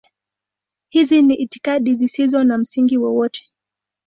Hizi ni itikadi zisizo na msingi wowote.